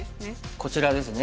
こちらですね。